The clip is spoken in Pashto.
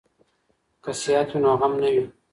که صحت وي نو غم نه وي.